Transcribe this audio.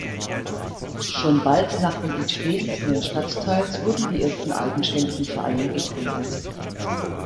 Schon bald nach dem Entstehen des neuen Stadtteils wurden die ersten eigenständigen Vereine gegründet.